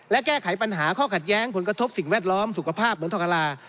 และแก้ไขปัญหาข้อขัดแย้งผลกระทบสิ่งแวดล้อมสุขภาพเมืองทองกรา